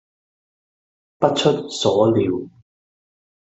不出所料